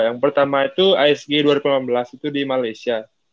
yang pertama itu isg dua ribu delapan belas itu di malaysia